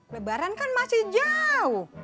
lebaran kan masih jauh